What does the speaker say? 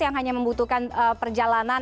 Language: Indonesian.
yang hanya membutuhkan perjalanan